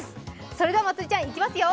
それではまつりちゃん、いきますよ。